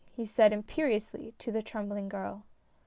he said imperiously, to the trembling girl.